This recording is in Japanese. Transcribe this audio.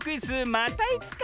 またいつか！